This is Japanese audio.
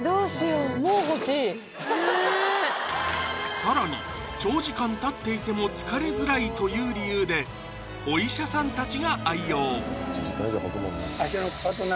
更に長時間立っていても疲れづらいという理由でお医者さんたちが愛用